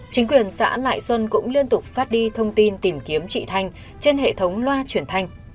chính quyền xã lại xuân cũng liên tục phát đi thông tin tìm kiếm chị thanh trên hệ thống loa chuyển thanh